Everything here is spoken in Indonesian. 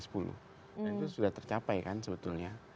dan itu sudah tercapai kan sebetulnya